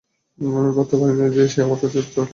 আমি ভাবতে পারিনি যে, সে আমার কাছে কিছু লুকোবে।